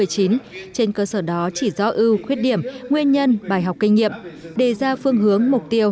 trên cơ sở đó chỉ do ưu khuyết điểm nguyên nhân bài học kinh nghiệm đề ra phương hướng mục tiêu